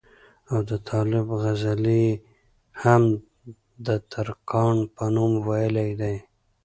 او د طالب غزلې ئې هم دترکاڼ پۀ نوم وئيلي دي